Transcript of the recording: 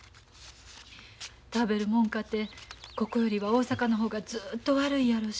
食べるもんかてここよりは大阪の方がずっと悪いやろし。